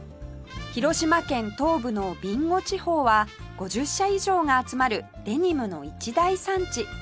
広島県東部の備後地方は５０社以上が集まるデニムの一大産地